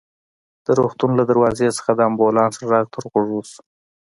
د روغتون له دروازې څخه د امبولانس غږ تر غوږو شو.